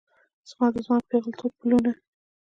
زما د ځوان پیغلتوب پلونه